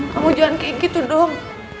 kamu jangan kayak gitu dong